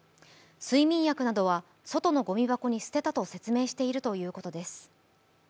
睡眠薬などは外のごみ箱に捨てたと説明しているということです。